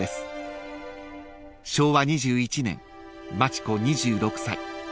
［昭和２１年町子２６歳］